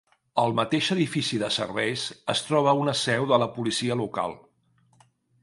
Al mateix edifici de serveis es troba una seu de la Policia Local.